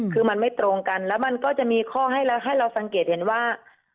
คือมันไม่ตรงกันแล้วมันก็จะมีข้อให้เราสังเกตเห็นว่า